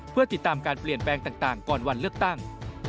เพื่อติดตามการเปลี่ยนแปลงต่างก่อนวันเลือกตั้ง